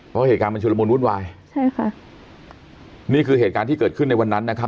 เพราะเหตุการณ์มันชุดละมุนวุ่นวายใช่ค่ะนี่คือเหตุการณ์ที่เกิดขึ้นในวันนั้นนะครับ